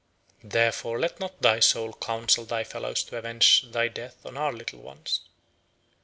Therefore, let not thy soul counsel thy fellows to avenge thy death on our little ones!"